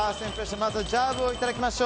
まず、ジャブをいただきましょう。